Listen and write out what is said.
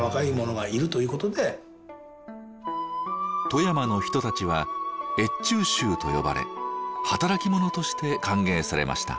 富山の人たちは越中衆と呼ばれ働き者として歓迎されました。